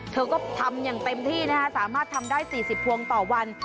เธอก็ทำอย่างเต็มที่นะคะสามารถทำได้๔๐พวงต่อวัน